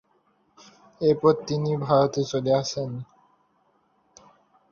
এরপর তিনি ভারতে চলে আসেন।